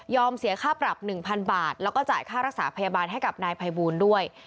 เสียค่าปรับ๑๐๐๐บาทแล้วก็จ่ายค่ารักษาพยาบาลให้กับนายภัยบูลด้วย